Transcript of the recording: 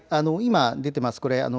今、出ています